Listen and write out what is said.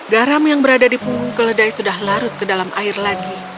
garam yang berada di punggung keledai sudah larut ke dalamnya